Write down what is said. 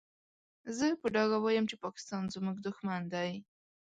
زه په ډاګه وايم چې پاکستان زموږ دوښمن دی.